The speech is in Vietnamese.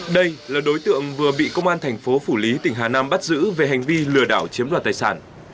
đây là đối tượng vừa bị công an thành phố phủ lý tỉnh hà nam bắt giữ về hành vi lừa đảo chiếm đoạt tài sản